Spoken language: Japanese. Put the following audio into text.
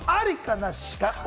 なしか？